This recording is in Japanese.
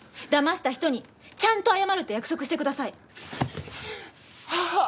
だました人にちゃんと謝ると約束してください。